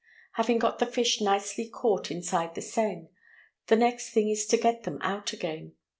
Having got the fish nicely caught inside the seine, the next thing is to get them out again.